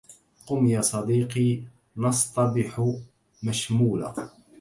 قم يا صديقي نصطبح مشمولة